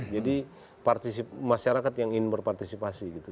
jadi masyarakat yang ingin berpartisipasi gitu